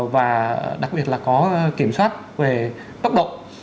và đặc biệt là có kiểm soát về tốc độ